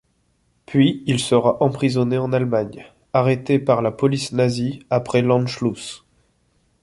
Puis il sera emprisonné en Allemagne, arrêté par la police nazie après l'Anschluss.